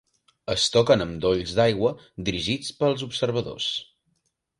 Es toquen amb dolls d'aigua dirigits pels observadors.